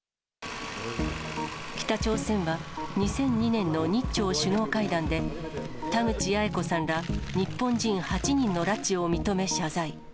北朝鮮は２００２年の日朝首脳会談で、田口八重子さんら日本人８人の拉致を認め、謝罪。